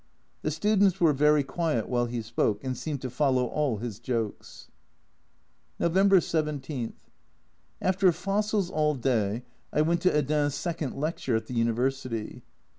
The students were very quiet while he spoke, and seemed to follow all his jokes. November 17. After fossils all day, I went to Hedin's second lecture at the University.